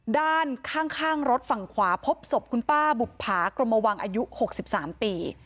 ด้านข้างรถฝั่งขวาพบศพคุณป้าบุภากรมวังอายุ๖๓ปี